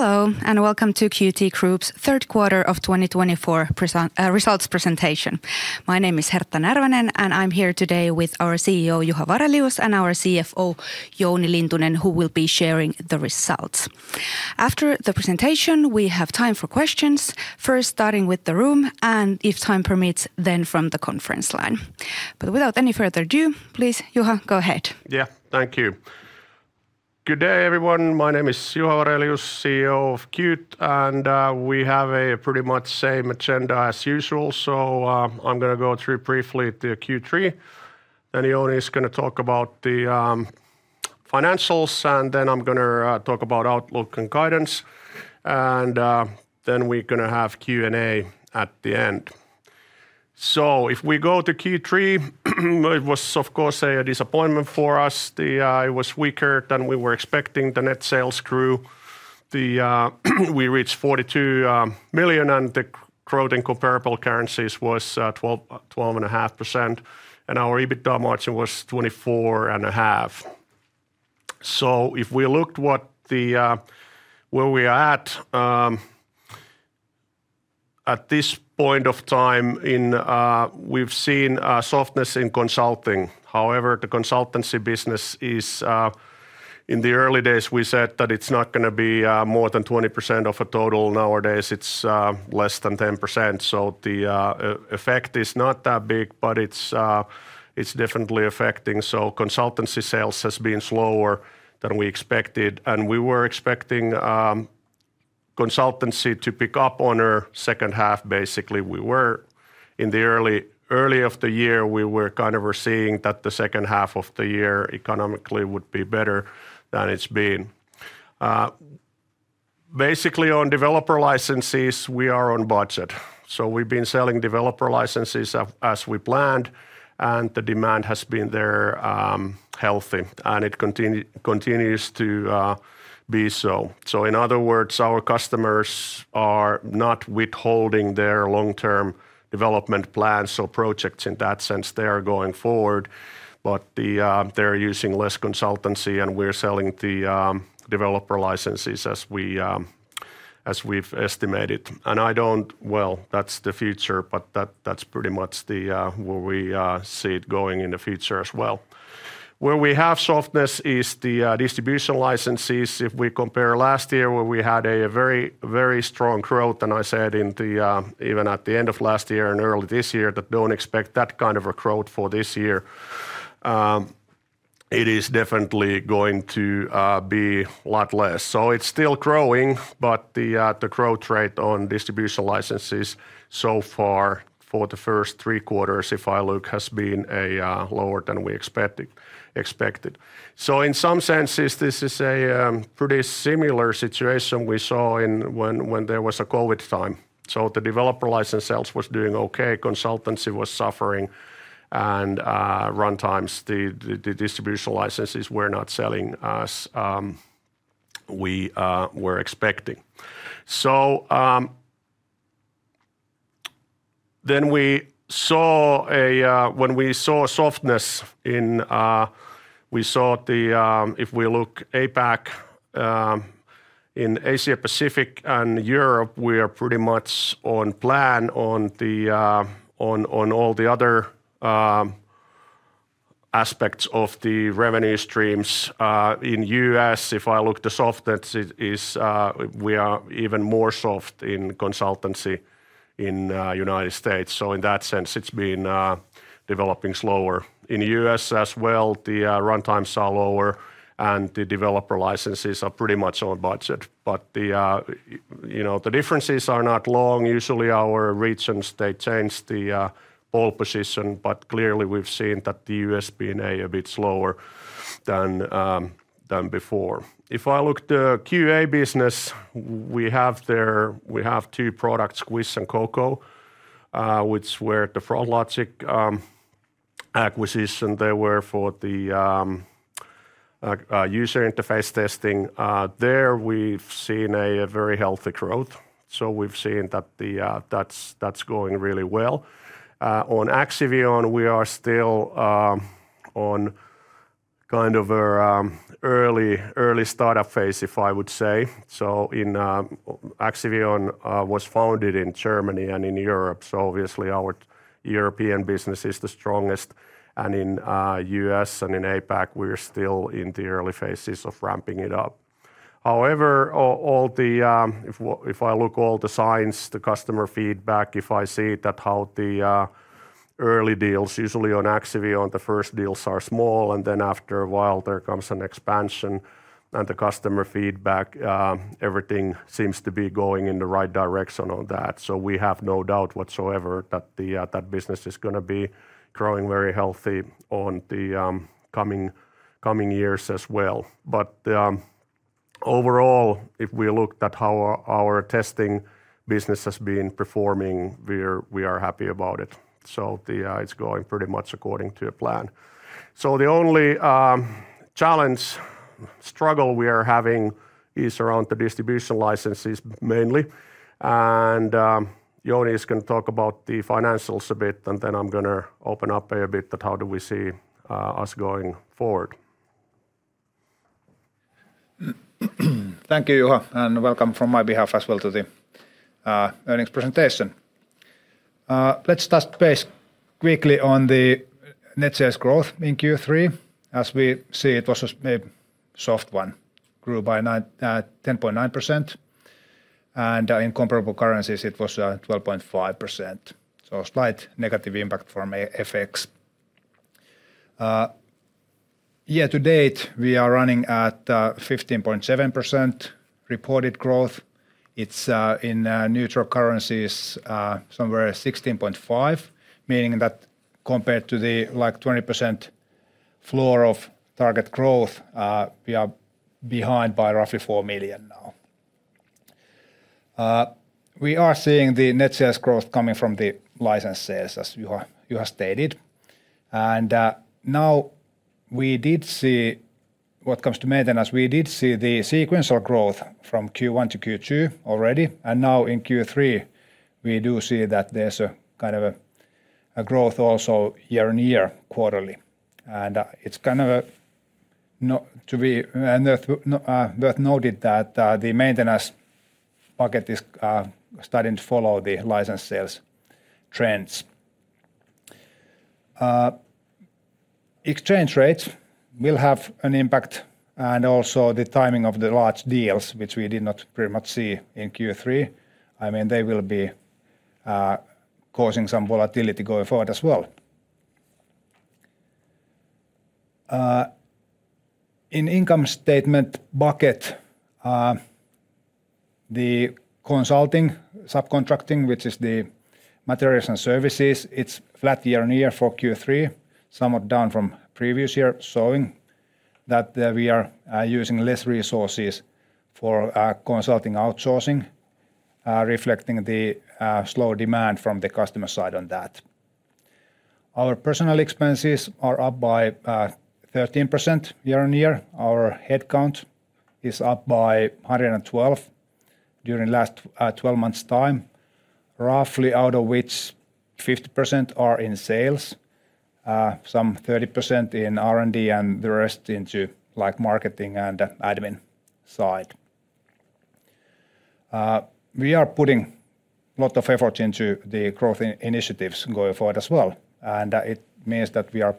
Hello and welcome to Qt Group's Third Quarter of 2024 Results Presentation. My name is Hertta Närvänen, and I'm here today with our CEO, Juha Varelius, and our CFO, Jouni Lintunen, who will be sharing the results. After the presentation, we have time for questions, first starting with the room, and if time permits, then from the conference line. But without any further ado, please, Juha, go ahead. Yeah, thank you. Good day, everyone. My name is Juha Varelius, CEO of Qt, and we have a pretty much same agenda as usual. So I'm going to go through briefly the Q3, then Jouni is going to talk about the financials, and then I'm going to talk about outlook and guidance, and then we're going to have Q&A at the end. So if we go to Q3, it was, of course, a disappointment for us. It was weaker than we were expecting, the net sales grew. We reached 42 million, and the growth in comparable currencies was 12.5%, and our EBITDA margin was 24.5%. So if we looked at where we are at, at this point of time, we've seen softness in consulting. However, the consultancy business is, in the early days, we said that it's not going to be more than 20% of a total. Nowadays, it's less than 10%. So the effect is not that big, but it's definitely affecting. So consultancy sales has been slower than we expected, and we were expecting consultancy to pick up on our second half. Basically, we were in the early of the year, we were kind of seeing that the second half of the year economically would be better than it's been. Basically, on developer licenses, we are on budget. So we've been selling developer licenses as we planned, and the demand has been there healthy, and it continues to be so. So in other words, our customers are not withholding their long-term development plans or projects in that sense. They are going forward, but they're using less consultancy, and we're selling the developer licenses as we've estimated. And I don't, well, that's the future, but that's pretty much where we see it going in the future as well. Where we have softness is the distribution licenses. If we compare last year, where we had a very, very strong growth, and I said even at the end of last year and early this year that don't expect that kind of a growth for this year, it is definitely going to be a lot less. So it's still growing, but the growth rate on distribution licenses so far for the first three quarters, if I look, has been lower than we expected. So in some senses, this is a pretty similar situation we saw when there was a COVID time. So the developer license sales was doing okay, consultancy was suffering, and runtimes, the distribution licenses were not selling as we were expecting. When we saw softness, if we look at APAC in Asia Pacific and Europe, we are pretty much on plan on all the other aspects of the revenue streams. In the U.S., if I look at the softness, we are even more soft in consultancy in the United States. So in that sense, it's been developing slower. In the U.S. as well, the runtimes are lower, and the developer licenses are pretty much on budget. But the differences are not long. Usually, our regions, they change the pole position, but clearly we've seen that the U.S. being a bit slower than before. If I look at the QA business, we have two products, Squish and Coco, which were the Froglogic acquisition. They were for the user interface testing. There we've seen a very healthy growth. So we've seen that that's going really well. On Axivion, we are still on kind of an early startup phase, if I would say. So Axivion was founded in Germany and in Europe. So obviously, our European business is the strongest, and in the U.S. and in APAC, we're still in the early phases of ramping it up. However, if I look at all the signs, the customer feedback, if I see that how the early deals, usually on Axivion, the first deals are small, and then after a while there comes an expansion, and the customer feedback, everything seems to be going in the right direction on that. So we have no doubt whatsoever that that business is going to be growing very healthy in the coming years as well. But overall, if we look at how our testing business has been performing, we are happy about it. It's going pretty much according to a plan. The only challenge, struggle we are having is around the distribution licenses mainly. Jouni is going to talk about the financials a bit, and then I'm going to open up a bit that how do we see us going forward. Thank you, Juha, and welcome from my behalf as well to the earnings presentation. Let's touch base quickly on the net sales growth in Q3. As we see, it was a soft one, grew by 10.9%, and in comparable currencies, it was 12.5%, so a slight negative impact from FX. Year to date, we are running at 15.7% reported growth. It's in neutral currencies somewhere at 16.5%, meaning that compared to the 20% floor of target growth, we are behind by roughly 4 million now. We are seeing the net sales growth coming from the license sales, as Juha stated, and now we did see, what comes to maintenance, we did see the sequential growth from Q1 to Q2 already, and now in Q3, we do see that there's a kind of a growth also year on year, quarterly. And it's kind of worth noting that the maintenance bucket is starting to follow the license sales trends. Exchange rates will have an impact, and also the timing of the large deals, which we did not pretty much see in Q3. I mean, they will be causing some volatility going forward as well. In income statement bucket, the consulting subcontracting, which is the materials and services, it's flat year on year for Q3, somewhat down from previous year, showing that we are using less resources for consulting outsourcing, reflecting the slow demand from the customer side on that. Our personnel expenses are up by 13% year on year. Our headcount is up by 112 during the last 12 months' time, roughly out of which 50% are in sales, some 30% in R&D, and the rest into marketing and admin side. We are putting a lot of effort into the growth initiatives going forward as well. And it means that we are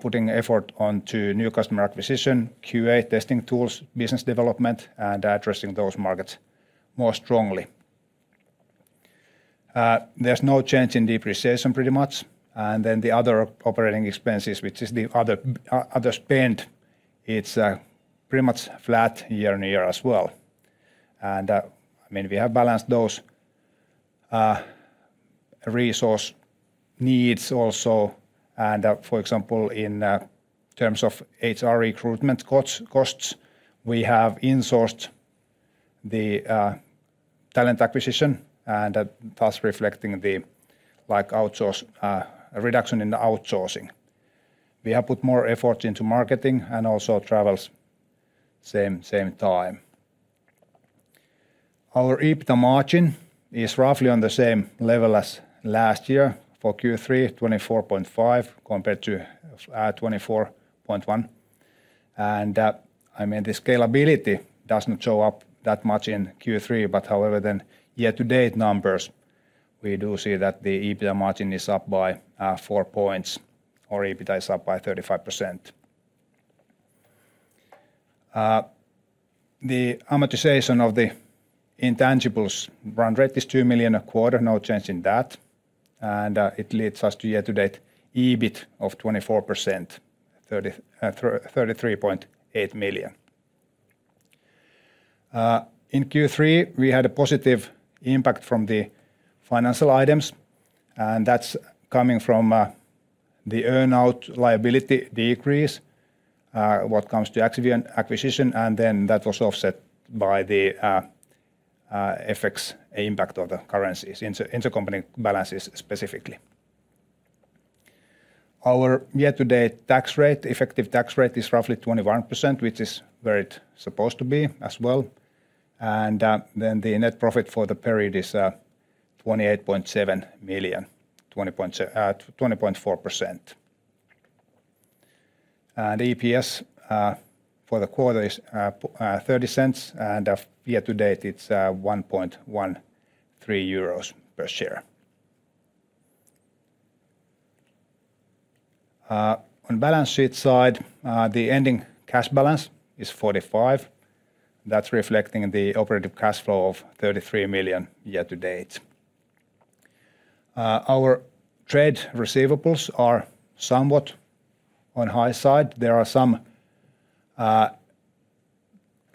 putting effort onto new customer acquisition, QA testing tools, business development, and addressing those markets more strongly. There's no change in depreciation pretty much. And then the other operating expenses, which is the other spend, it's pretty much flat year on year as well. And I mean, we have balanced those resource needs also. And for example, in terms of HR recruitment costs, we have insourced the talent acquisition, and that's reflecting the reduction in the outsourcing. We have put more effort into marketing and also travels same time. Our EBITDA margin is roughly on the same level as last year for Q3, 24.5% compared to 24.1%. And I mean, the scalability does not show up that much in Q3, but however, then year to date numbers, we do see that the EBITDA margin is up by four points, or EBITDA is up by 35%. The amortization of the intangibles run rate is 2 million a quarter, no change in that. And it leads us to year-to-date EBIT of 24%, 33.8 million. In Q3, we had a positive impact from the financial items, and that's coming from the earn-out liability decrease what comes to Axivion acquisition, and then that was offset by the FX impact on the currencies, intercompany balances specifically. Our year to date tax rate, effective tax rate is roughly 21%, which is where it's supposed to be as well. And then the net profit for the period is 28.7 million, 20.4%. EPS for the quarter is 0.30, and year to date it's 1.13 euros per share. On balance sheet side, the ending cash balance is 45 million. That's reflecting the operating cash flow of 33 million year to date. Our trade receivables are somewhat on the high side. There are some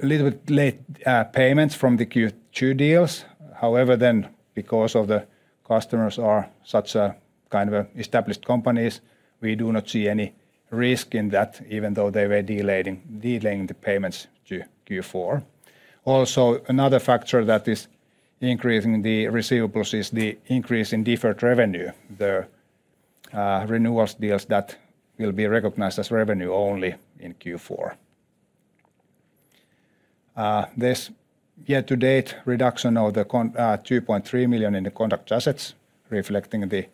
little bit late payments from the Q2 deals. However, then because the customers are such kind of established companies, we do not see any risk in that, even though they were delaying the payments to Q4. Also, another factor that is increasing the receivables is the increase in deferred revenue, the renewals deals that will be recognized as revenue only in Q4. There's year to date reduction of the 2.3 million in the contract assets, reflecting pretty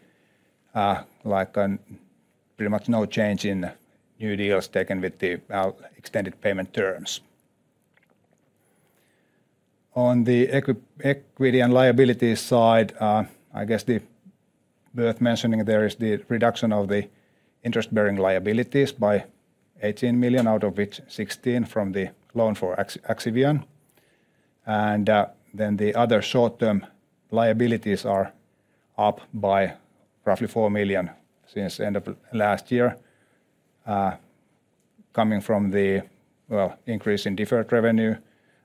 much no change in new deals taken with the extended payment terms. On the equity and liability side, I guess the [thing] worth mentioning there is the reduction of the interest-bearing liabilities by 18 million, out of which 16 from the loan for Axivion. Then the other short-term liabilities are up by roughly four million since the end of last year, coming from the increase in deferred revenue,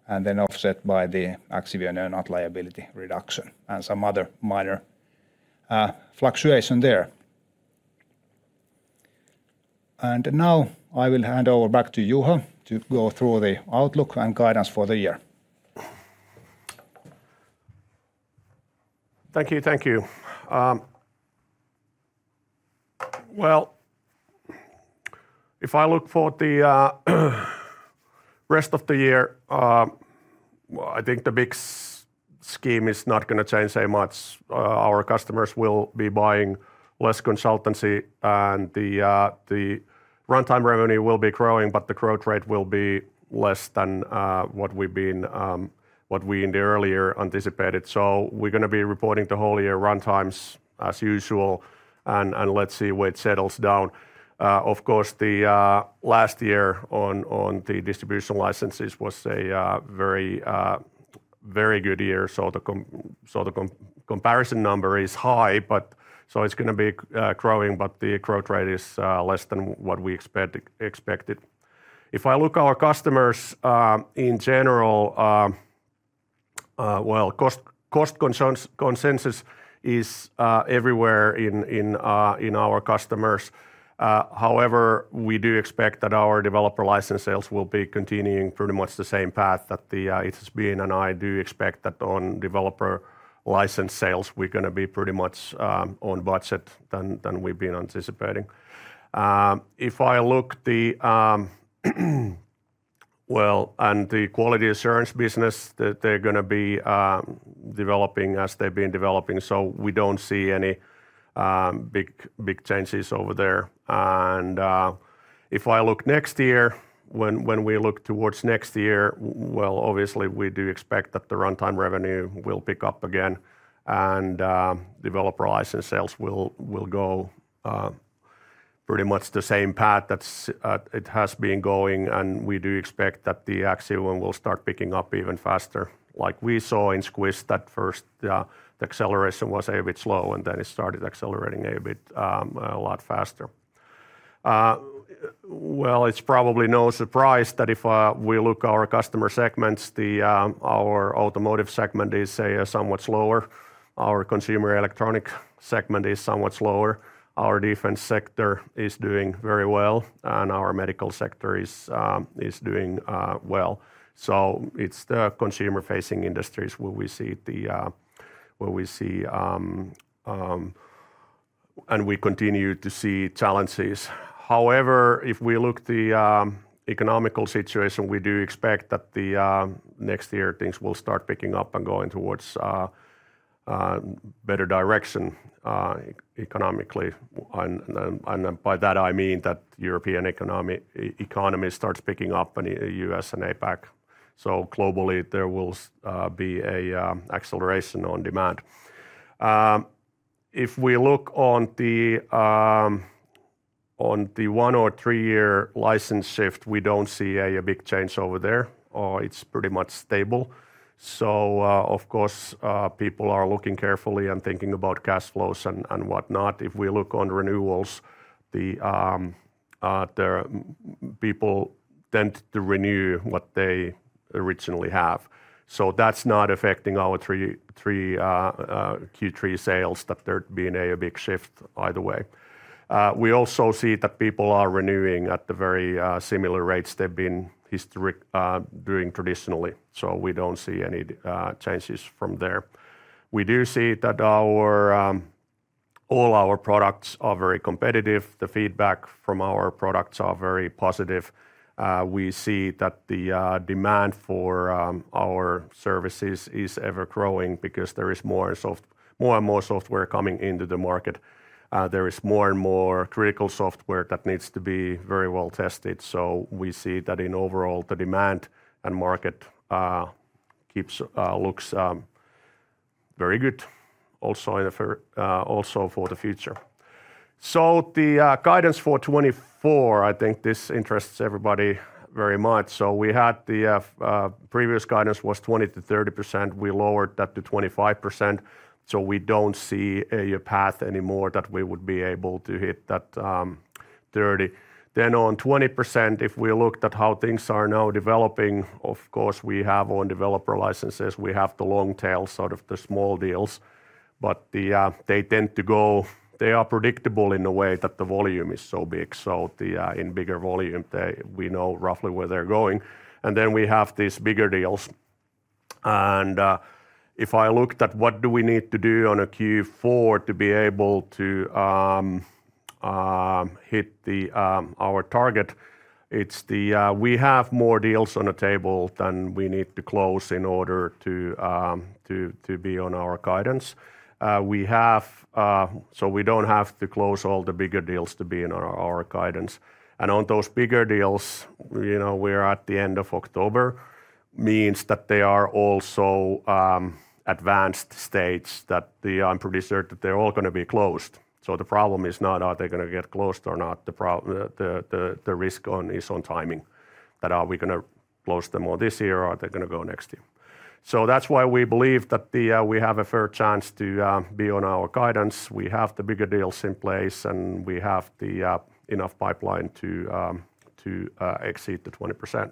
and then offset by the Axivion earn-out liability reduction and some other minor fluctuation there. Now I will hand over back to Juha to go through the outlook and guidance for the year. Thank you. Thank you. If I look for the rest of the year, I think the big picture is not going to change very much. Our customers will be buying less consultancy, and the runtime revenue will be growing, but the growth rate will be less than what we had earlier anticipated. So we're going to be reporting the whole year runtimes as usual, and let's see where it settles down. Of course, the last year on the distribution licenses was a very good year. So the comparison number is high, but so it's going to be growing, but the growth rate is less than what we expected. If I look at our customers in general, cost consciousness is everywhere in our customers. However, we do expect that our developer license sales will be continuing pretty much the same path that it has been, and I do expect that on developer license sales, we're going to be pretty much on budget than we've been anticipating. If I look at the, well, and the quality assurance business, they're going to be developing as they've been developing, so we don't see any big changes over there. If I look next year, when we look towards next year, well, obviously we do expect that the runtime revenue will pick up again, and developer license sales will go pretty much the same path that it has been going, and we do expect that the Axivion will start picking up even faster. Like we saw in Squish that first the acceleration was a bit slow, and then it started accelerating a lot faster. It's probably no surprise that if we look at our customer segments, our automotive segment is somewhat slower. Our consumer electronic segment is somewhat slower. Our defense sector is doing very well, and our medical sector is doing well. So it's the consumer-facing industries where we see, and we continue to see challenges. However, if we look at the economic situation, we do expect that next year things will start picking up and going towards a better direction economically. And by that, I mean that European economy starts picking up and the U.S. and APAC. So globally, there will be an acceleration on demand. If we look on the one- or three-year license shift, we don't see a big change over there. It's pretty much stable. So of course, people are looking carefully and thinking about cash flows and whatnot. If we look on renewals, people tend to renew what they originally have. So that's not affecting our Q3 sales that there's been a big shift either way. We also see that people are renewing at the very similar rates they've been doing traditionally. So we don't see any changes from there. We do see that all our products are very competitive. The feedback from our products are very positive. We see that the demand for our services is ever growing because there is more and more software coming into the market. There is more and more critical software that needs to be very well tested. So we see that in overall, the demand and market looks very good also for the future. So the guidance for 2024, I think this interests everybody very much. So we had the previous guidance was 20%-30%. We lowered that to 25%. So, we don't see a path anymore that we would be able to hit that 30%. Then, on 20%, if we looked at how things are now developing, of course, we have on developer licenses, we have the long tail sort of the small deals, but they tend to go, they are predictable in a way that the volume is so big. So, in bigger volume, we know roughly where they're going. And then we have these bigger deals. And if I looked at what do we need to do on a Q4 to be able to hit our target, it's the we have more deals on the table than we need to close in order to be on our guidance. So, we don't have to close all the bigger deals to be on our guidance. And on those bigger deals, we're at the end of October means that they are also advanced stages that I'm pretty certain that they're all going to be closed. So the problem is not are they going to get closed or not. The risk is on timing. Are we going to close them all this year or are they going to go next year? So that's why we believe that we have a fair chance to be on our guidance. We have the bigger deals in place and we have enough pipeline to exceed the 20%.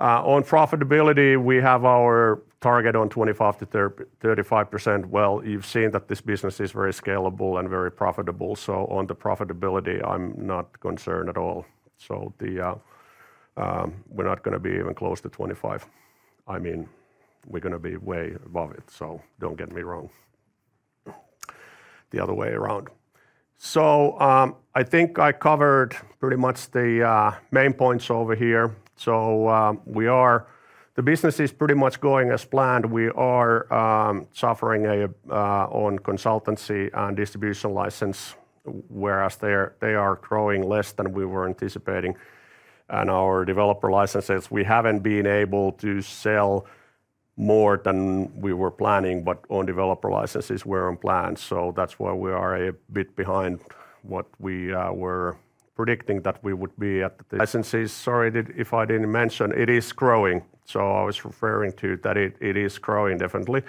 On profitability, we have our target on 25%-35%. Well, you've seen that this business is very scalable and very profitable. So on the profitability, I'm not concerned at all. So we're not going to be even close to 25%. I mean, we're going to be way above it. So, don't get me wrong, the other way around. So I think I covered pretty much the main points over here. So the business is pretty much going as planned. We are suffering on consultancy and distribution license, whereas they are growing less than we were anticipating. And our developer licenses, we haven't been able to sell more than we were planning, but on developer licenses we're on plan. So that's why we are a bit behind what we were predicting that we would be at. Licenses, sorry if I didn't mention, it is growing. So I was referring to that it is growing definitely,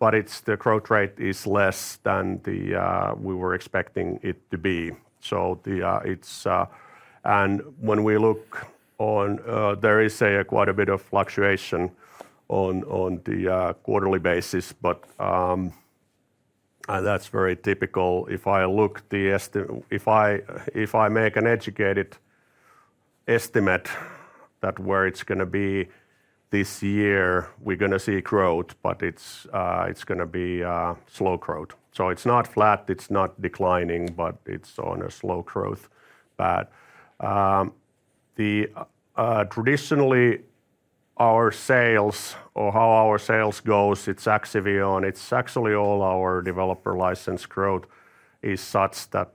but the growth rate is less than we were expecting it to be. So when we look on, there is quite a bit of fluctuation on the quarterly basis, but that's very typical. If I look, if I make an educated estimate that where it's going to be this year, we're going to see growth, but it's going to be slow growth, so it's not flat, it's not declining, but it's on a slow growth path. Traditionally, our sales or how our sales goes, it's Axivion, it's actually all our developer license growth is such that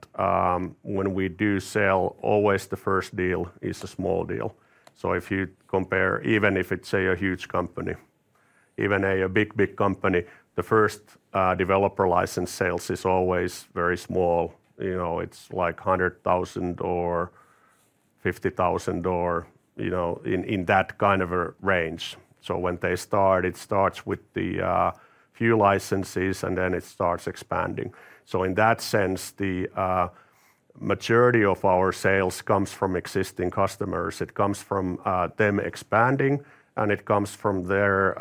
when we do sell, always the first deal is a small deal, so if you compare, even if it's a huge company, even a big, big company, the first developer license sales is always very small. It's like 100,000 or 50,000 or in that kind of a range, so when they start, it starts with the few licenses and then it starts expanding, so in that sense, the majority of our sales comes from existing customers. It comes from them expanding, and it comes from their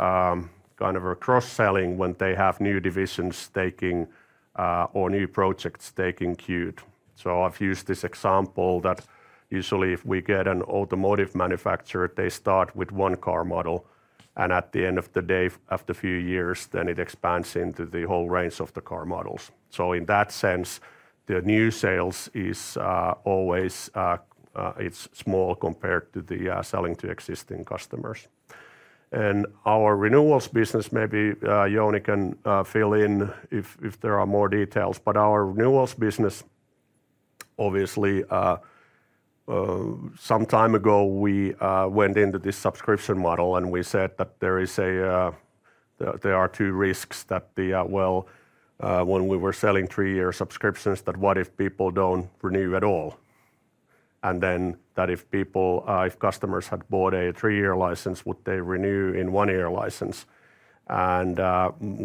kind of cross-selling when they have new divisions taking or new projects taking Qt. So I've used this example that usually if we get an automotive manufacturer, they start with one car model. And at the end of the day, after a few years, then it expands into the whole range of the car models. So in that sense, the new sales is always small compared to the selling to existing customers. And our renewals business, maybe Jouni can fill in if there are more details, but our renewals business, obviously some time ago we went into this subscription model and we said that there are two risks that, well, when we were selling three-year subscriptions, that what if people don't renew at all? And then that if customers had bought a three-year license, would they renew in one-year license? And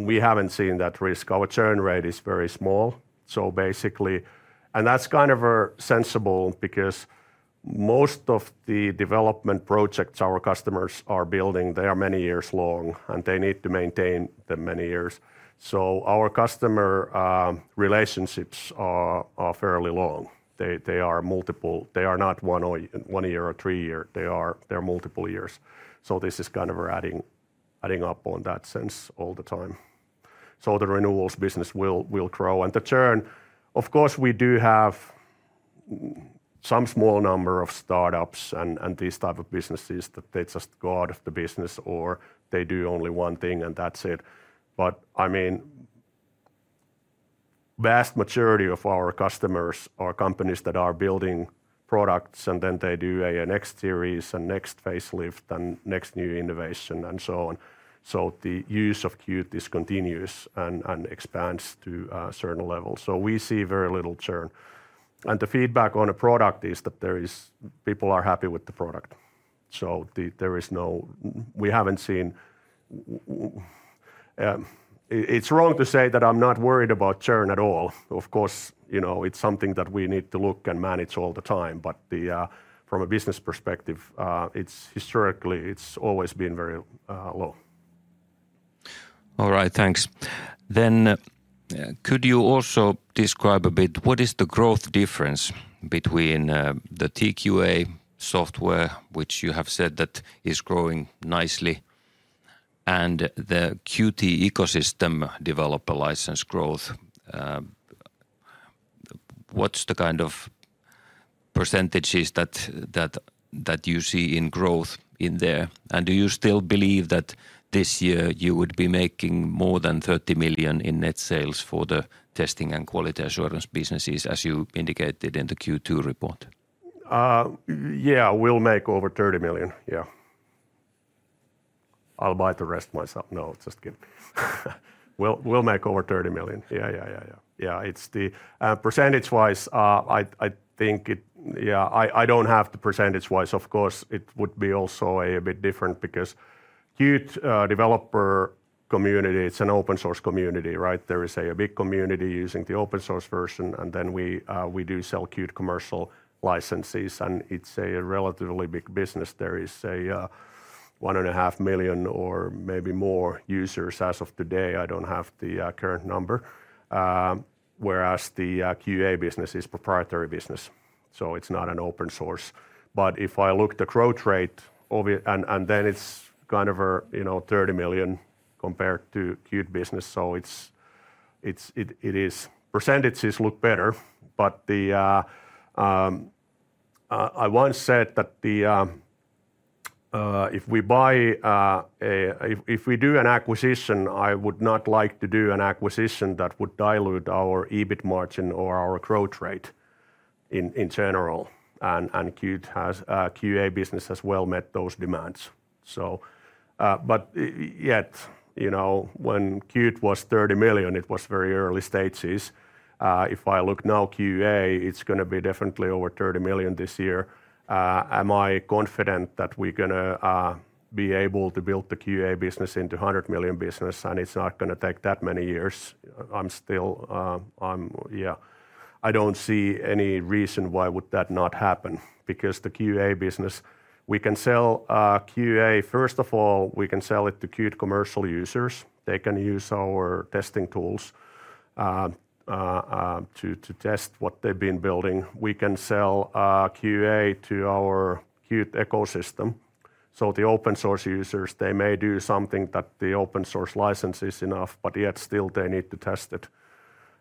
we haven't seen that risk. Our churn rate is very small. So basically, and that's kind of sensible because most of the development projects our customers are building, they are many years long and they need to maintain them many years. So our customer relationships are fairly long. They are multiple, they are not one year or three years, they are multiple years. So this is kind of adding up on that sense all the time. So the renewals business will grow and the churn, of course, we do have some small number of startups and these type of businesses that they just go out of the business or they do only one thing and that's it. But I mean, vast majority of our customers are companies that are building products and then they do a next series and next facelift and next new innovation and so on. So the use of Qt is continuous and expands to a certain level. So we see very little churn. And the feedback on a product is that people are happy with the product. So there is no, we haven't seen, it's wrong to say that I'm not worried about churn at all. Of course, it's something that we need to look and manage all the time, but from a business perspective, historically it's always been very low. All right, thanks. Then could you also describe a bit what is the growth difference between the QA software, which you have said that is growing nicely, and the Qt ecosystem developer license growth? What's the kind of percentages that you see in growth in there? And do you still believe that this year you would be making more than 30 million in net sales for the testing and quality assurance businesses, as you indicated in the Q2 report? Yeah, we'll make over 30 million. Yeah. I'll buy the rest myself. No, just kidding. We'll make over 30 million. Yeah, yeah, yeah, yeah. Yeah, it's the percentage-wise, I think it, yeah, I don't have the percentage-wise. Of course, it would be also a bit different because Qt developer community, it's an open-source community, right? There is a big community using the open-source version, and then we do sell Qt commercial licenses, and it's a relatively big business. There is a 1.5 million or maybe more users as of today. I don't have the current number, whereas the QA business is proprietary business. So it's not an open-source. But if I look at the growth rate, and then it's kind of a 30 million compared to Qt business. So, it is. Percentages look better, but I once said that if we buy a, if we do an acquisition, I would not like to do an acquisition that would dilute our EBIT margin or our growth rate in general. And QA business has well met those demands. But yet, when Qt was 30 million, it was very early stages. If I look now, QA, it's going to be definitely over 30 million this year. Am I confident that we're going to be able to build the QA business into a 100 million business and it's not going to take that many years? I'm still, yeah, I don't see any reason why would that not happen because the QA business, we can sell QA, first of all, we can sell it to Qt commercial users. They can use our testing tools to test what they've been building. We can sell QA to our Qt ecosystem. So the open-source users, they may do something that the open-source license is enough, but yet still they need to test it.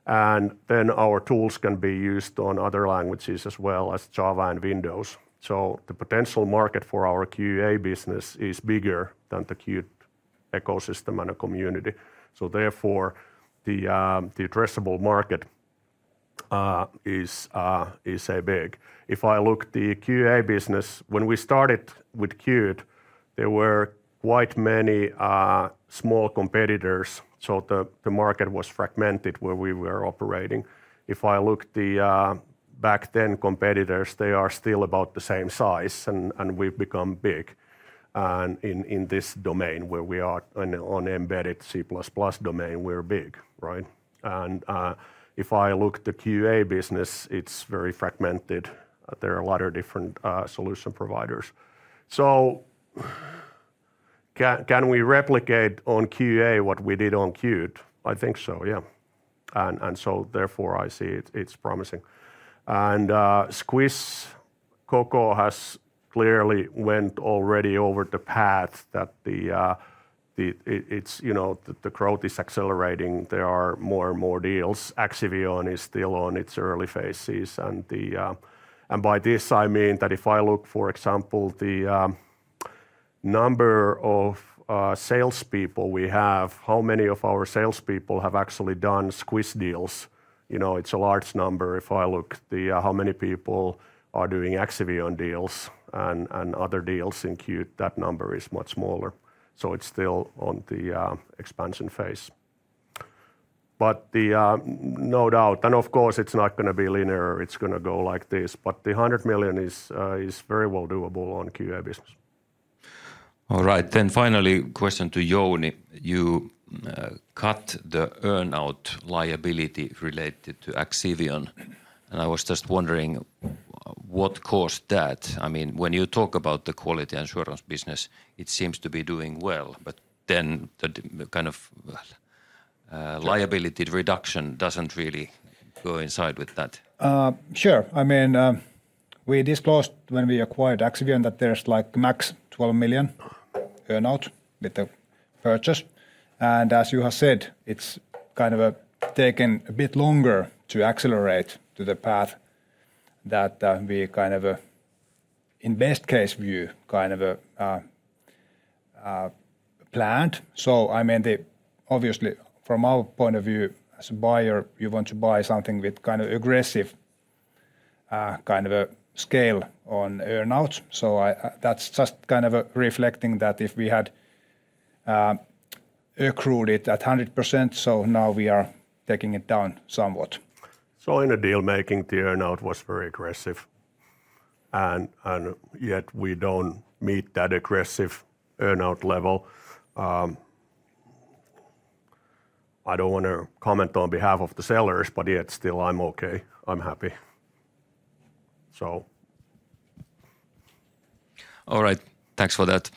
And then our tools can be used on other languages as well as Java and Windows. So the potential market for our QA business is bigger than the Qt ecosystem and the community. So therefore, the addressable market is big. If I look at the QA business, when we started with Qt, there were quite many small competitors. So the market was fragmented where we were operating. If I look at the back then competitors, they are still about the same size and we've become big in this domain where we are on embedded C++ domain, we're big, right? And if I look at the QA business, it's very fragmented. There are a lot of different solution providers. So can we replicate on QA what we did on Qt? I think so, yeah. And so therefore I see it's promising. And Squish, Coco has clearly went already over the path that the growth is accelerating. There are more and more deals. Axivion is still on its early phases. And by this, I mean that if I look, for example, the number of salespeople we have, how many of our salespeople have actually done Squish deals? It's a large number. If I look at how many people are doing Axivion deals and other deals in Qt, that number is much smaller. So it's still on the expansion phase. But no doubt. And of course, it's not going to be linear. It's going to go like this. But the 100 million is very well doable on QA business. All right. Then finally, question to Jouni. You cut the earn-out liability related to Axivion. And I was just wondering what caused that? I mean, when you talk about the quality assurance business, it seems to be doing well, but then the kind of liability reduction doesn't really coincide with that. Sure. I mean, we disclosed when we acquired Axivion that there's like max 12 million earn-out with the purchase. And as you have said, it's kind of taken a bit longer to accelerate to the path that we kind of, in best case view, kind of planned. So I mean, obviously from our point of view as a buyer, you want to buy something with kind of aggressive kind of scale on earn-outs. So that's just kind of reflecting that if we had accrued it at 100%, so now we are taking it down somewhat. So in the deal making, the earn-out was very aggressive. And yet we don't meet that aggressive earn-out level. I don't want to comment on behalf of the sellers, but yet still I'm okay. I'm happy. So. All right. Thanks for that.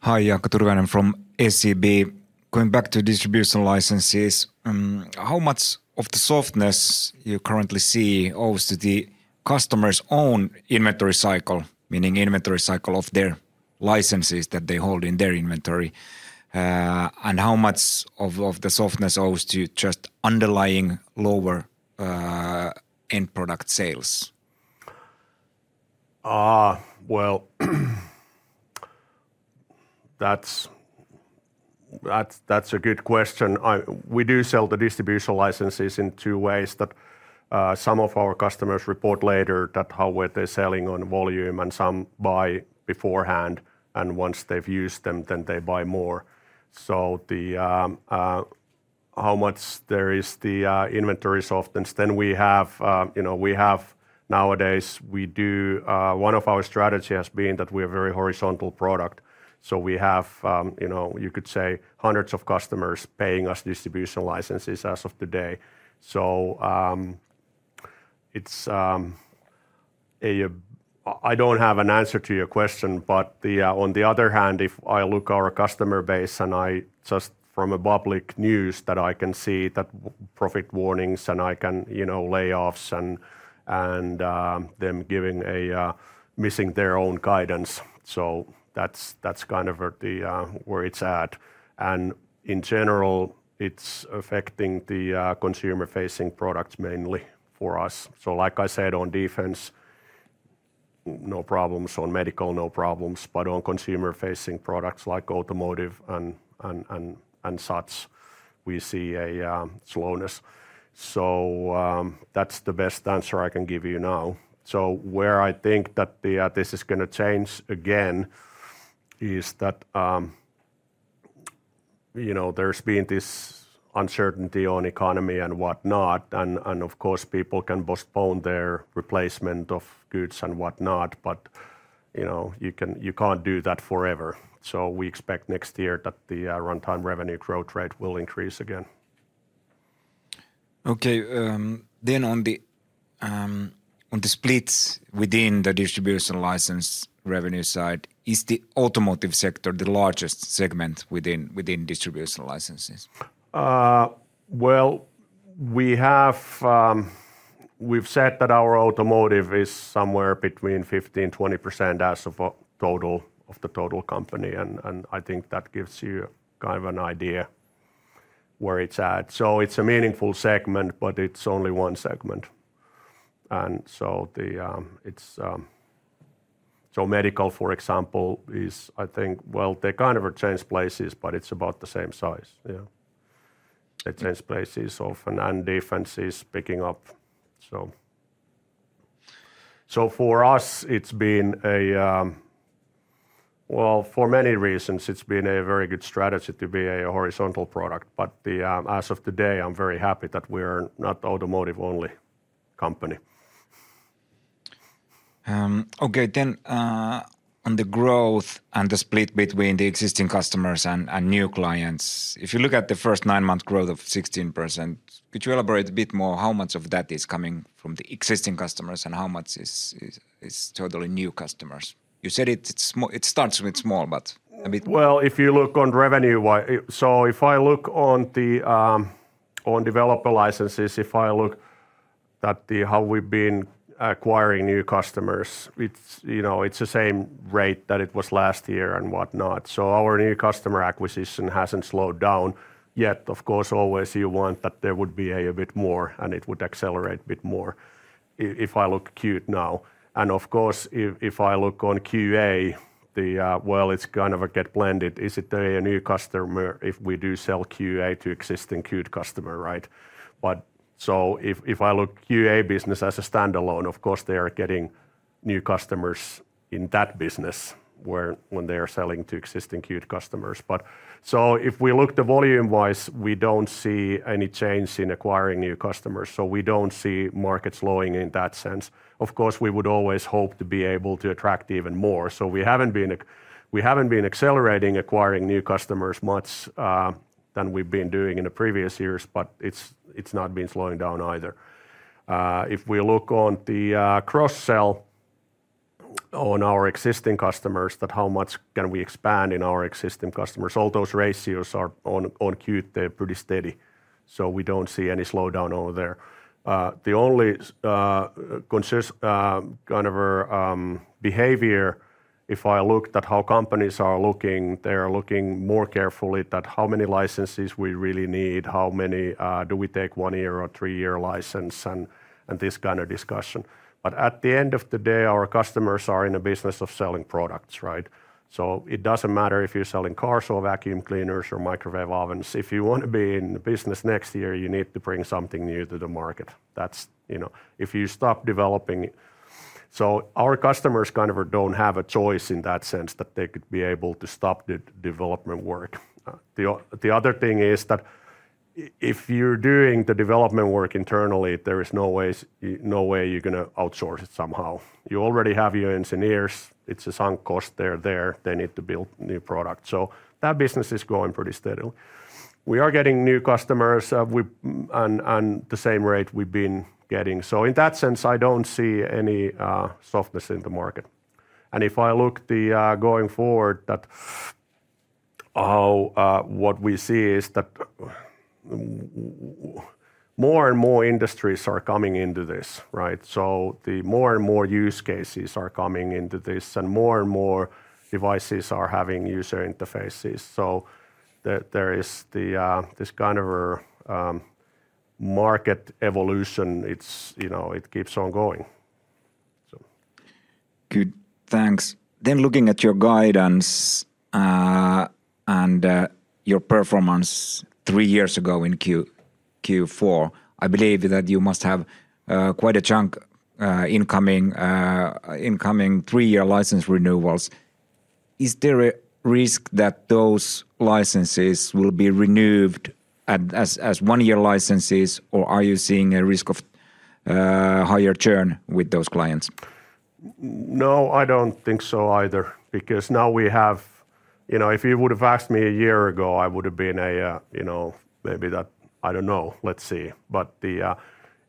Hi, Jaakko Tyrväinen from SEB. Going back to distribution licenses, how much of the softness you currently see owes to the customer's own inventory cycle, meaning inventory cycle of their licenses that they hold in their inventory? And how much of the softness owes to just underlying lower end product sales? That's a good question. We do sell the distribution licenses in two ways that some of our customers report later that how they're selling on volume and some buy beforehand. Once they've used them, then they buy more. How much there is the inventory softness, then we have nowadays, we do, one of our strategies has been that we are a very horizontal product. We have, you could say, hundreds of customers paying us distribution licenses as of today. I don't have an answer to your question, but on the other hand, if I look at our customer base and I just from a public news that I can see that profit warnings and see layoffs and them missing their own guidance. That's kind of where it's at. In general, it's affecting the consumer-facing products mainly for us. So like I said, on defense, no problems. On medical, no problems. But on consumer-facing products like automotive and such, we see a slowness. So that's the best answer I can give you now. So where I think that this is going to change again is that there's been this uncertainty on economy and whatnot. And of course, people can postpone their replacement of goods and whatnot, but you can't do that forever. So we expect next year that the runtime revenue growth rate will increase again. Okay. Then on the splits within the distribution license revenue side, is the automotive sector the largest segment within distribution licenses? We've said that our automotive is somewhere between 15%-20% of the total company. And I think that gives you kind of an idea where it's at. So it's a meaningful segment, but it's only one segment. And so medical, for example, is, I think, well, they kind of have changed places, but it's about the same size. Yeah. They change places often and defense is picking up. So for us, it's been a, well, for many reasons, it's been a very good strategy to be a horizontal product. But as of today, I'm very happy that we are not an automotive-only company. Okay. Then on the growth and the split between the existing customers and new clients, if you look at the first nine-month growth of 16%, could you elaborate a bit more how much of that is coming from the existing customers and how much is totally new customers? You said it starts with small, but a bit. If you look on revenue, so if I look on developer licenses, if I look at how we've been acquiring new customers, it's the same rate that it was last year and whatnot. So our new customer acquisition hasn't slowed down yet. Of course, always you want that there would be a bit more and it would accelerate a bit more if I look at Qt now. And of course, if I look on QA, well, it's kind of blended. Is it a new customer if we do sell QA to existing Qt customer, right? So if I look at QA business as a standalone, of course, they are getting new customers in that business when they are selling to existing Qt customers. So if we look at the volume-wise, we don't see any change in acquiring new customers. So we don't see markets slowing in that sense. Of course, we would always hope to be able to attract even more. So we haven't been accelerating acquiring new customers much than we've been doing in the previous years, but it's not been slowing down either. If we look on the cross-sell on our existing customers, that how much can we expand in our existing customers, all those ratios are on Qt, they're pretty steady. So we don't see any slowdown over there. The only kind of behavior, if I looked at how companies are looking, they are looking more carefully at how many licenses we really need, how many do we take one-year or three-year license, and this kind of discussion. But at the end of the day, our customers are in a business of selling products, right? So it doesn't matter if you're selling cars or vacuum cleaners or microwave ovens. If you want to be in the business next year, you need to bring something new to the market. If you stop developing, so our customers kind of don't have a choice in that sense that they could be able to stop the development work. The other thing is that if you're doing the development work internally, there is no way you're going to outsource it somehow. You already have your engineers. It's a sunk cost. They're there. They need to build new products. So that business is going pretty steadily. We are getting new customers at the same rate we've been getting. So in that sense, I don't see any softness in the market. And if I look at the going forward, what we see is that more and more industries are coming into this, right? So the more and more use cases are coming into this and more and more devices are having user interfaces. So there is this kind of market evolution. It keeps on going. Good. Thanks. Then looking at your guidance and your performance three years ago in Q4, I believe that you must have quite a chunk incoming three-year license renewals. Is there a risk that those licenses will be renewed as one-year licenses, or are you seeing a risk of higher churn with those clients? No, I don't think so either because now we have, if you would have asked me a year ago, I would have been a, maybe that, I don't know, let's see, but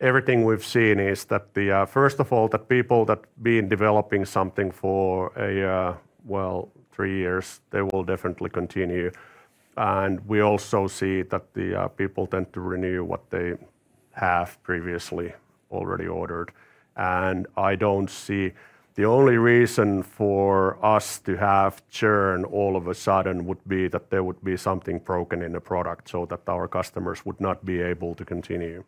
everything we've seen is that, first of all, that people that have been developing something for, well, three years, they will definitely continue, and we also see that people tend to renew what they have previously already ordered, and I don't see the only reason for us to have churn all of a sudden would be that there would be something broken in the product so that our customers would not be able to continue,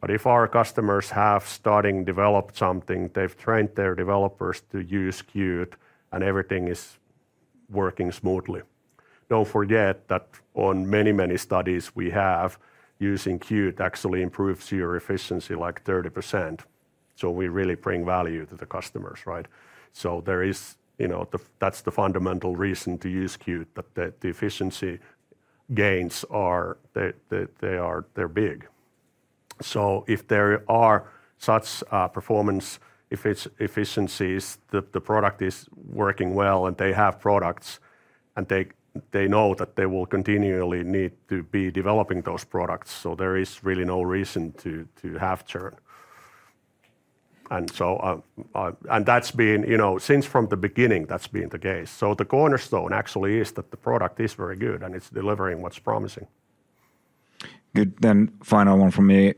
but if our customers have starting developed something, they've trained their developers to use Qt and everything is working smoothly. Don't forget that on many, many studies we have, using Qt actually improves your efficiency like 30%. So we really bring value to the customers, right? So that's the fundamental reason to use Qt, that the efficiency gains are big. So if there are such performance efficiencies, the product is working well and they have products and they know that they will continually need to be developing those products. So there is really no reason to have churn. And that's been since from the beginning, that's been the case. So the cornerstone actually is that the product is very good and it's delivering what's promising. Good. Then final one for me.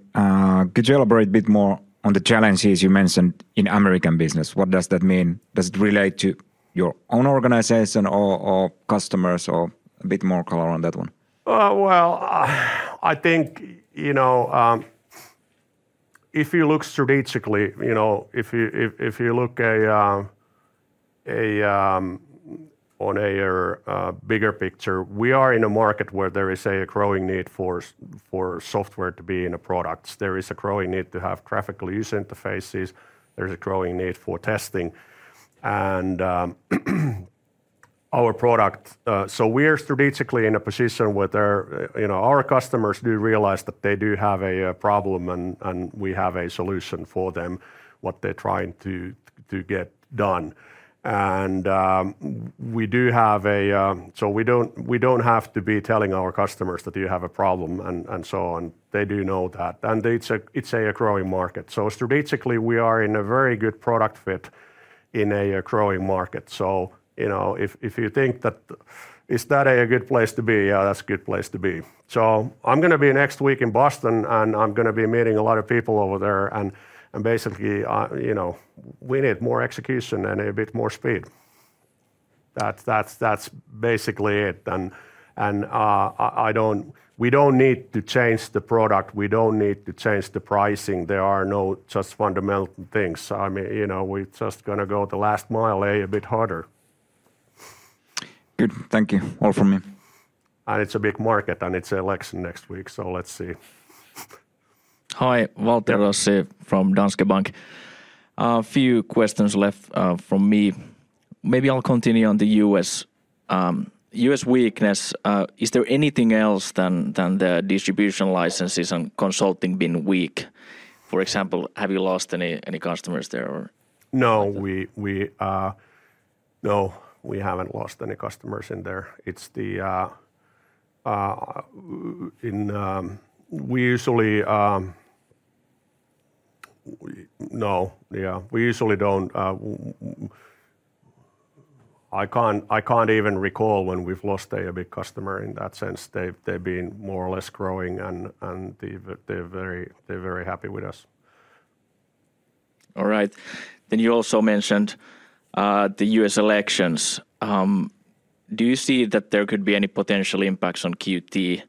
Could you elaborate a bit more on the challenges you mentioned in American business? What does that mean? Does it relate to your own organization or customers or a bit more color on that one? I think if you look strategically, if you look on a bigger picture, we are in a market where there is a growing need for software to be in a product. There is a growing need to have graphical user interfaces. There is a growing need for testing. And our product, so we are strategically in a position where our customers do realize that they do have a problem and we have a solution for them, what they're trying to get done. And we do have, so we don't have to be telling our customers that you have a problem and so on. They do know that. And it's a growing market. So strategically, we are in a very good product fit in a growing market. So if you think that is that a good place to be, yeah, that's a good place to be. So, I'm going to be next week in Boston, and I'm going to be meeting a lot of people over there. And basically, we need more execution and a bit more speed. That's basically it, and we don't need to change the product. We don't need to change the pricing. There are no just fundamental things. We're just going to go the last mile a bit harder. Good. Thank you. All from me. It's a big market and it's election next week. Let's see. Hi, Valtteri Rossi from Danske Bank. A few questions left from me. Maybe I'll continue on the U.S. weakness. Is there anything else than the distribution licenses and consulting been weak? For example, have you lost any customers there? No, we haven't lost any customers in there. We usually don't. I can't even recall when we've lost a big customer in that sense. They've been more or less growing and they're very happy with us. All right. Then you also mentioned the U.S. elections. Do you see that there could be any potential impacts on Qt,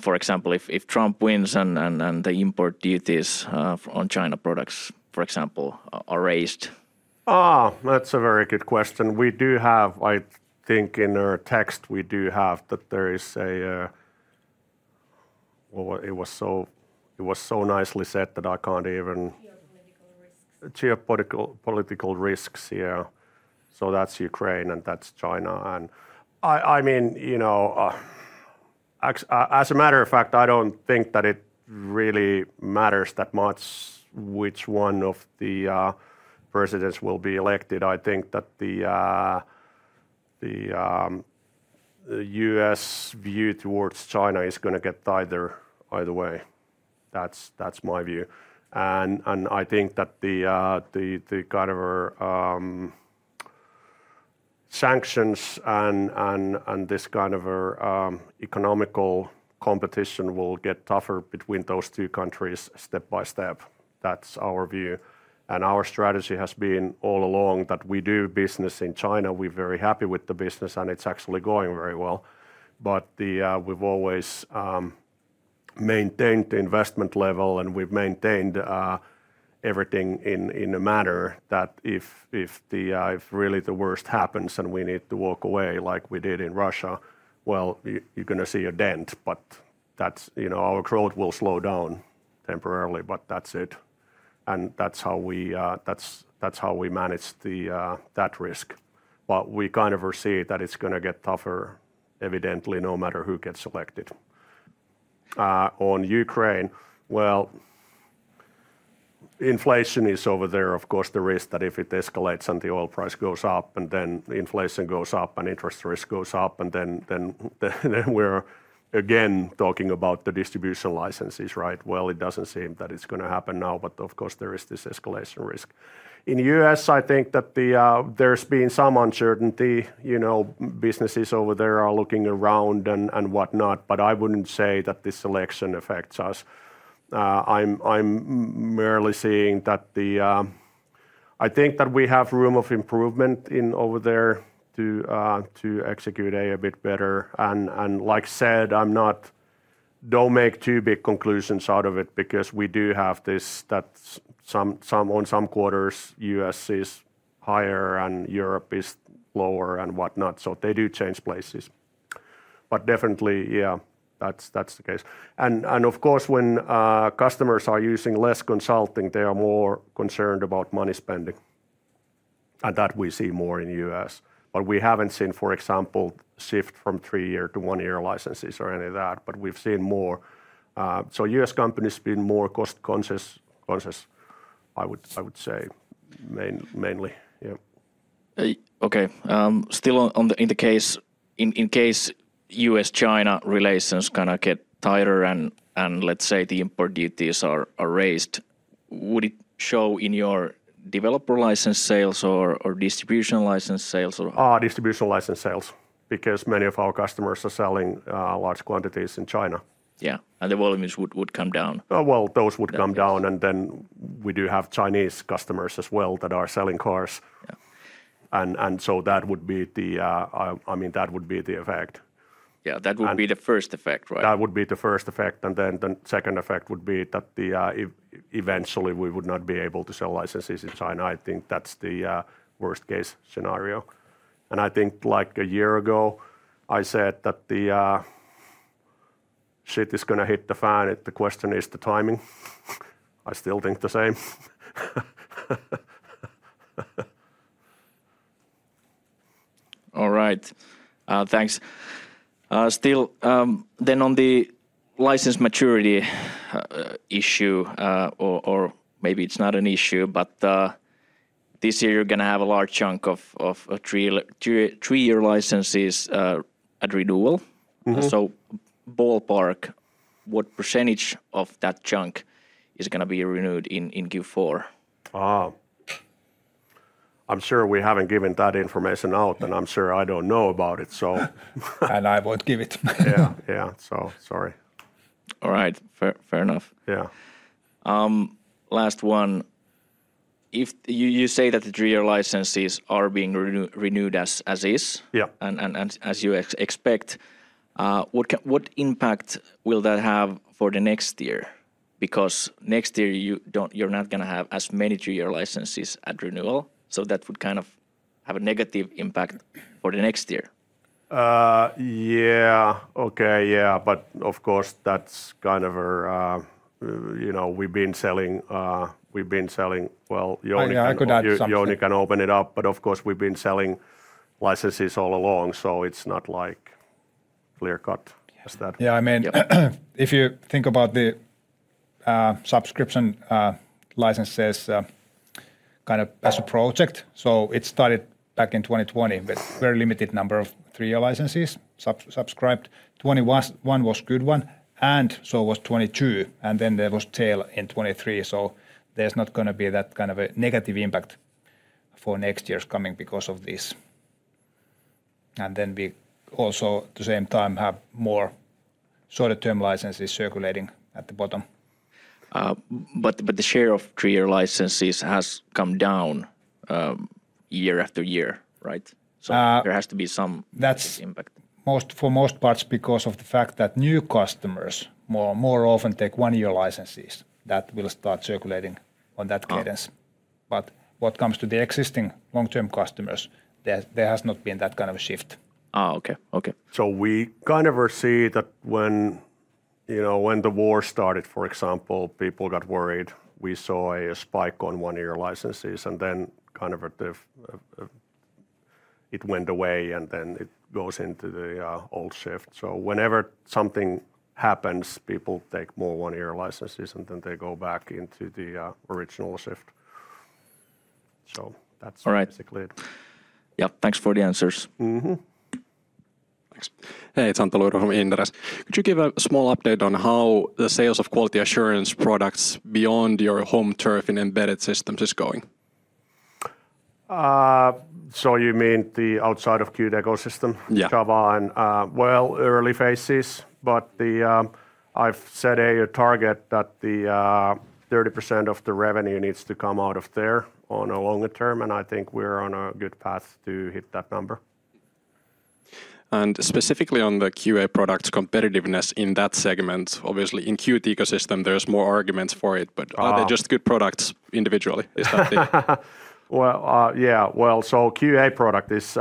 for example, if Trump wins and the import duties on China products, for example, are raised? That's a very good question. We do have, I think in our text, we do have that there is a, it was so nicely said that I can't even. Geopolitical risks. Geopolitical risks, yeah. So that's Ukraine and that's China. And I mean, as a matter of fact, I don't think that it really matters that much which one of the presidents will be elected. I think that the U.S. view towards China is going to get either way. That's my view. And I think that the kind of sanctions and this kind of economic competition will get tougher between those two countries step by step. That's our view. And our strategy has been all along that we do business in China. We're very happy with the business and it's actually going very well. But we've always maintained the investment level and we've maintained everything in a manner that if really the worst happens and we need to walk away like we did in Russia, well, you're going to see a dent. But our growth will slow down temporarily, but that's it. And that's how we manage that risk. But we kind of foresee that it's going to get tougher, evidently, no matter who gets elected. On Ukraine, well, inflation is over there. Of course, the risk that if it escalates and the oil price goes up and then inflation goes up and interest rates go up and then we're again talking about the distribution licenses, right? Well, it doesn't seem that it's going to happen now, but of course, there is this escalation risk. In the U.S., I think that there's been some uncertainty. Businesses over there are looking around and whatnot, but I wouldn't say that this election affects us. I'm merely seeing that the, I think that we have room of improvement over there to execute a bit better. Like I said, I'm not. Don't make too big conclusions out of it because we do have this, that on some quarters, U.S. is higher and Europe is lower and whatnot. So they do change places. But definitely, yeah, that's the case. And of course, when customers are using less consulting, they are more concerned about money spending. And that we see more in the U.S. But we haven't seen, for example, shift from three-year to one-year licenses or any of that. But we've seen more. So U.S. companies have been more cost-conscious, I would say, mainly. Okay. Still in the case, in case U.S.-China relations kind of get tighter and let's say the import duties are raised, would it show in your developer license sales or distribution license sales? Distribution license sales because many of our customers are selling large quantities in China. Yeah. And the volumes would come down. Those would come down and then we do have Chinese customers as well that are selling cars, and so that would be the, I mean, that would be the effect. Yeah. That would be the first effect, right? That would be the first effect, and then the second effect would be that eventually we would not be able to sell licenses in China. I think that's the worst-case scenario, and I think like a year ago, I said that the shit is going to hit the fan. The question is the timing. I still think the same. All right. Thanks. Still, then on the license maturity issue, or maybe it's not an issue, but this year you're going to have a large chunk of three-year licenses at renewal. So ballpark, what percentage of that chunk is going to be renewed in Q4? I'm sure we haven't given that information out, and I'm sure I don't know about it, so. I won't give it. Yeah. Yeah. So sorry. All right. Fair enough. Yeah. Last one. You say that the three-year licenses are being renewed as is and as you expect. What impact will that have for the next year? Because next year you're not going to have as many three-year licenses at renewal. So that would kind of have a negative impact for the next year. Yeah. Okay. Yeah. But of course, that's kind of a, we've been selling, well, Jouni can open it up, but of course, we've been selling licenses all along. So it's not like clear-cut as that. Yeah. I mean, if you think about the subscription licenses kind of as a project, so it started back in 2020 with a very limited number of three-year licenses subscribed. 2021 was a good one and so was 2022. And then there was a tail in 2023. So there's not going to be that kind of a negative impact for next years coming because of this. And then we also at the same time have more shorter-term licenses circulating at the bottom. But the share of three-year licenses has come down year after year, right? So there has to be some impact. That's for most parts because of the fact that new customers more often take one-year licenses that will start circulating on that cadence. But what comes to the existing long-term customers, there has not been that kind of a shift. okay. Okay. So we kind of see that when the war started, for example, people got worried. We saw a spike on one-year licenses and then kind of it went away and then it goes into the subscription. So whenever something happens, people take more one-year licenses and then they go back into the original subscription. So that's basically it. All right. Yeah. Thanks for the answers. Thanks. Hey, it's Antti Luiro, Inderes. Could you give a small update on how the sales of quality assurance products beyond your home turf in embedded systems is going? So you mean the outside of Qt ecosystem? Yeah. Java and, well, early phases, but I've set a target that 30% of the revenue needs to come out of there on a longer term. And I think we're on a good path to hit that number. And specifically on the QA product competitiveness in that segment, obviously in Qt ecosystem, there's more arguments for it, but are they just good products individually? Yeah. The QA product is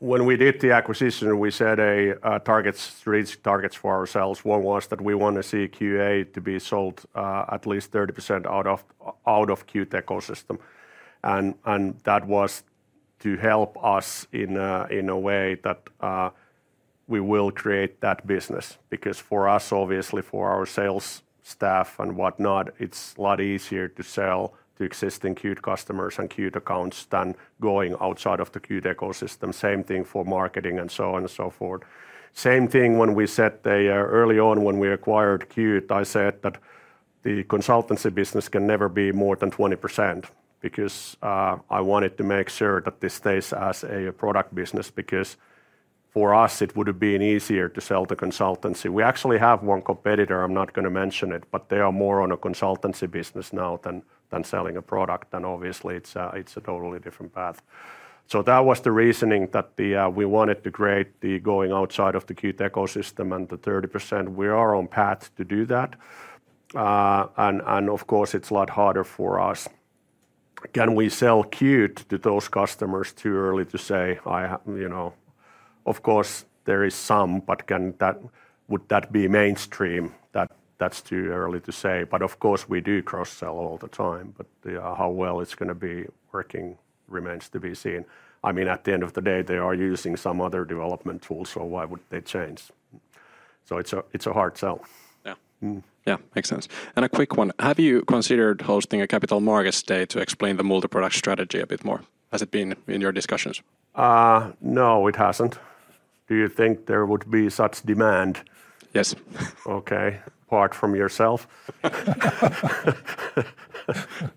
when we did the acquisition. We set targets for ourselves. One was that we want to see QA to be sold at least 30% out of the Qt ecosystem. And that was to help us in a way that we will create that business because for us, obviously, for our sales staff and whatnot, it is a lot easier to sell to existing Qt customers and Qt accounts than going outside of the Qt ecosystem. Same thing for marketing and so on and so forth. Same thing when we said early on when we acquired Qt. I said that the consultancy business can never be more than 20% because I wanted to make sure that this stays as a product business because for us, it would have been easier to sell the consultancy. We actually have one competitor. I'm not going to mention it, but they are more on a consultancy business now than selling a product. Obviously, it's a totally different path. That was the reasoning that we wanted to create the going outside of the Qt ecosystem and the 30%. We are on path to do that. Of course, it's a lot harder for us. Can we sell Qt to those customers? Too early to say, of course, there is some, but would that be mainstream? That's too early to say. Of course, we do cross-sell all the time. But how well it's going to be working remains to be seen. I mean, at the end of the day, they are using some other development tools, so why would they change? It's a hard sell. Yeah. Yeah. Makes sense. And a quick one. Have you considered hosting a Capital Markets Day to explain the multi-product strategy a bit more? Has it been in your discussions? No, it hasn't. Do you think there would be such demand? Yes. Okay. Apart from yourself.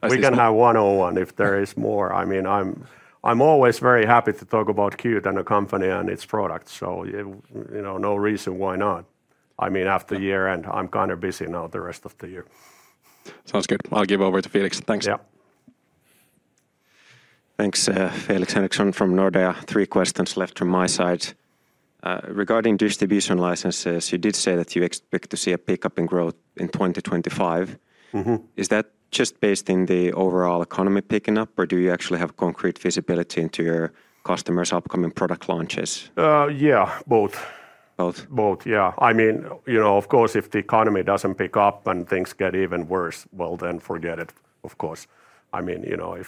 We can have one-on-one if there is more. I mean, I'm always very happy to talk about Qt and a company and its products. So no reason why not. I mean, after year-end, I'm kind of busy now the rest of the year. Sounds good. I'll give over to Felix. Thanks. Yeah. Thanks, Felix Henriksson from Nordea. Three questions left from my side. Regarding distribution licenses, you did say that you expect to see a pickup in growth in 2025. Is that just based in the overall economy picking up, or do you actually have concrete visibility into your customers' upcoming product launches? Yeah, both. Both? Both, yeah. I mean, of course, if the economy doesn't pick up and things get even worse, well, then forget it, of course. I mean,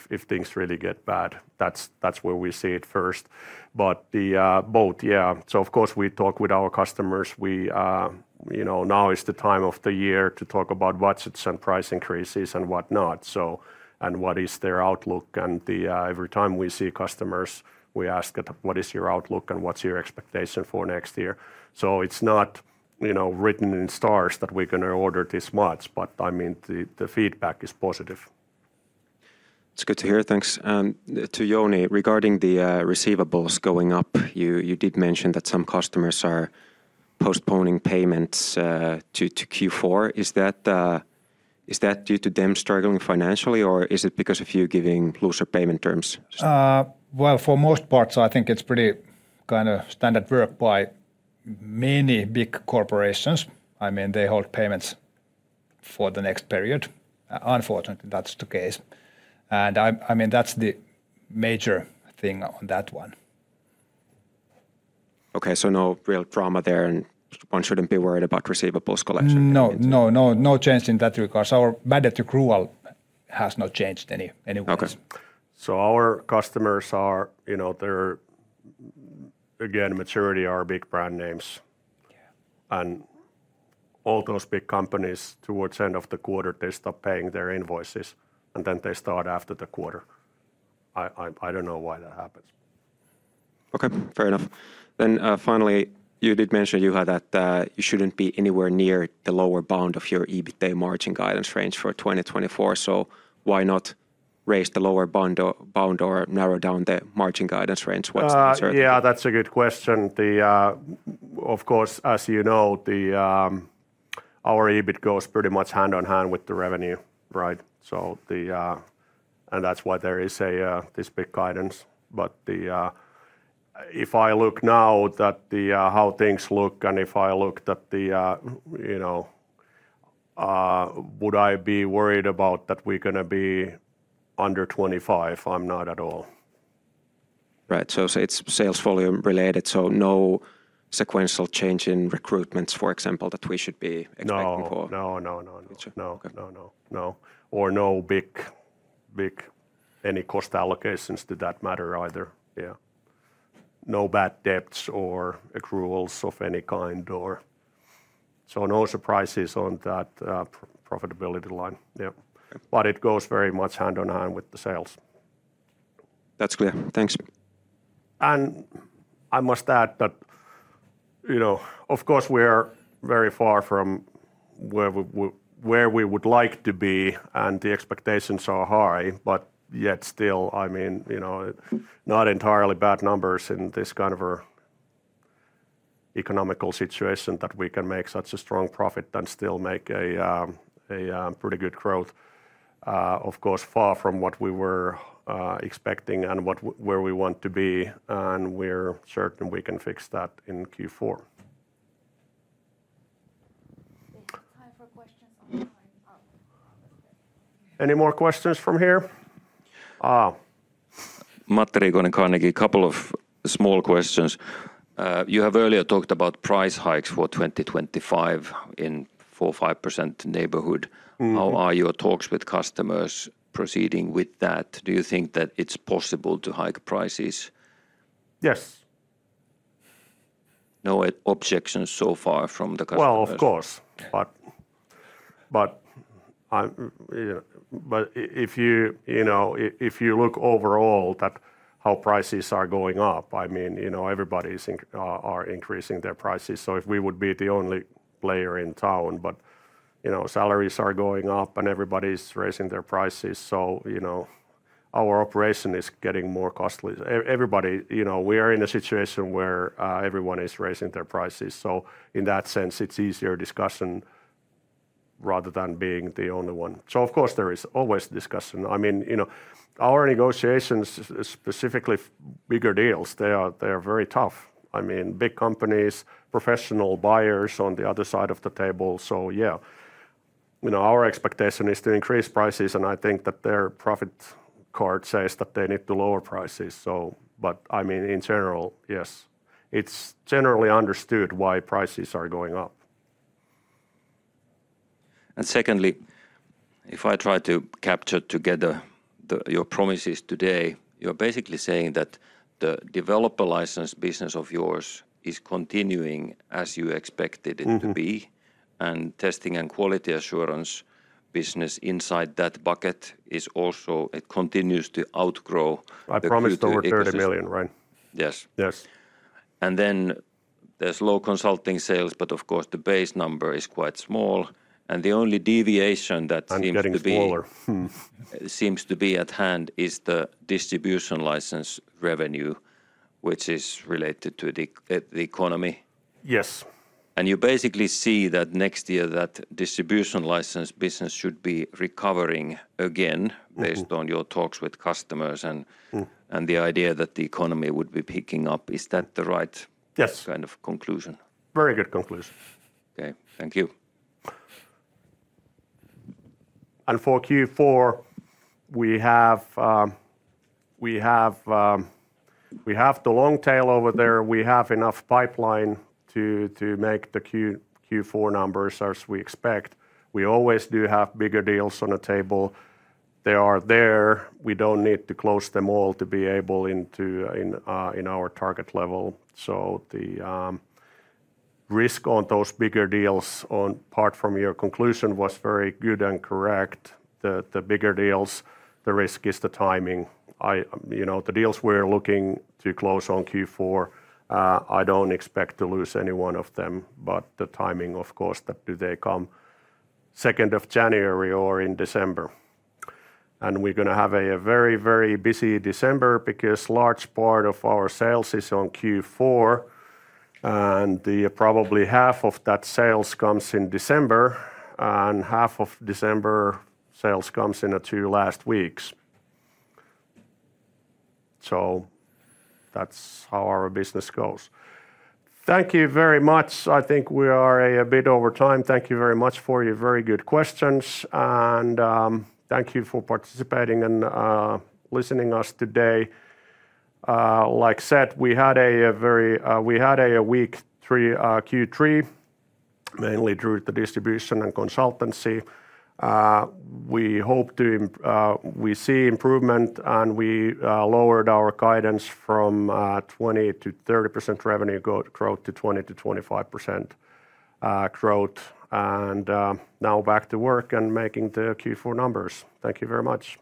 if things really get bad, that's where we see it first, but both, yeah, so of course, we talk with our customers. Now is the time of the year to talk about budgets and price increases and whatnot, and what is their outlook? And every time we see customers, we ask them, what is your outlook and what's your expectation for next year, so it's not written in stars that we're going to order this much, but I mean, the feedback is positive. It's good to hear. Thanks. And to Jouni, regarding the receivables going up, you did mention that some customers are postponing payments to Q4. Is that due to them struggling financially, or is it because of you giving looser payment terms? For most parts, I think it's pretty kind of standard work by many big corporations. I mean, they hold payments for the next period. Unfortunately, that's the case. I mean, that's the major thing on that one. Okay. So no real drama there and one shouldn't be worried about receivables collection? No, no, no change in that regard. Our mandatory rule has not changed anyway. Okay. Our customers are, again, majority are big brand names, and all those big companies towards the end of the quarter, they stop paying their invoices and then they start after the quarter. I don't know why that happens. Okay. Fair enough. Then finally, you did mention that you shouldn't be anywhere near the lower bound of your EBITDA margin guidance range for 2024. So why not raise the lower bound or narrow down the margin guidance range? What's the answer? Yeah, that's a good question. Of course, as you know, our EBIT goes pretty much hand in hand with the revenue, right? And that's why there is this big guidance. But if I look now at how things look and if I looked at the, would I be worried about that we're going to be under 25? I'm not at all. Right. So it's sales volume related. So no sequential change in recruitments, for example, that we should be expecting for? No, no, no, no, no, no, no, no, no. Or no big any cost allocations to that matter either. Yeah. No bad debts or accruals of any kind or so. No surprises on that profitability line. Yeah. But it goes very much hand in hand with the sales. That's clear. Thanks. I must add that, of course, we are very far from where we would like to be and the expectations are high, but yet still, I mean, not entirely bad numbers in this kind of economic situation that we can make such a strong profit and still make a pretty good growth. Of course, far from what we were expecting and where we want to be. We are certain we can fix that in Q4. Time for questions on the line. Any more questions from here? Matti Riikonen, a couple of small questions. You have earlier talked about price hikes for 2025 in the 4%-5% neighborhood. How are your talks with customers proceeding with that? Do you think that it's possible to hike prices? Yes. No objections so far from the customers? Of course. But if you look overall at how prices are going up, I mean, everybody is increasing their prices. So if we would be the only player in town, but salaries are going up and everybody is raising their prices. So our operation is getting more costly. We are in a situation where everyone is raising their prices. So in that sense, it's easier discussion rather than being the only one. So of course, there is always discussion. I mean, our negotiations, specifically bigger deals, they are very tough. I mean, big companies, professional buyers on the other side of the table. So yeah, our expectation is to increase prices. And I think that their profit card says that they need to lower prices. But I mean, in general, yes. It's generally understood why prices are going up. And secondly, if I try to capture together your promises today, you're basically saying that the developer license business of yours is continuing as you expected it to be. And testing and quality assurance business inside that bucket is also it continues to outgrow. I promised over 30 million, right? Yes. Yes. And then there's low consulting sales, but of course, the base number is quite small. And the only deviation that seems to be. I'm getting smaller. Seems to be at hand is the distribution license revenue, which is related to the economy. Yes. You basically see that next year that distribution license business should be recovering again based on your talks with customers and the idea that the economy would be picking up. Is that the right kind of conclusion? Yes. Very good conclusion. Okay. Thank you. For Q4, we have the long tail over there. We have enough pipeline to make the Q4 numbers as we expect. We always do have bigger deals on the table. They are there. We don't need to close them all to be able into our target level. The risk on those bigger deals, apart from your conclusion, was very good and correct. The bigger deals, the risk is the timing. The deals we're looking to close on Q4, I don't expect to lose any one of them, but the timing, of course, that do they come second of January or in December. We're going to have a very, very busy December because a large part of our sales is on Q4. Probably half of that sales comes in December and half of December sales comes in the two last weeks. That's how our business goes. Thank you very much. I think we are a bit over time. Thank you very much for your very good questions. Thank you for participating and listening to us today. Like said, we had a very weak Q3, mainly through the distribution and consultancy. We hope to see improvement and we lowered our guidance from 20%-30% revenue growth to 20%-25% growth. Now back to work and making the Q4 numbers. Thank you very much.